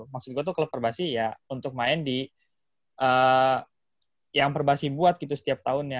maksud gue itu klub perbasih ya untuk main di yang perbasih buat gitu setiap tahunnya